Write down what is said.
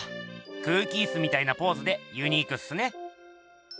空気イスみたいなポーズでユニークっすね。